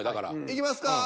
いきますか。